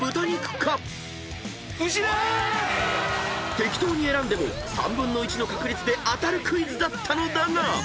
［適当に選んでも３分の１の確率で当たるクイズだったのだが］